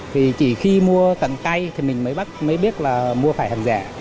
thì chỉ khi mua tận tay thì mình mới biết là mua phải hàng giả